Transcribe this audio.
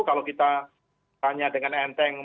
kalau kita tanya dengan enteng